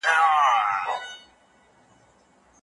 خپل لاسونه په پاکو اوبو ومینځئ.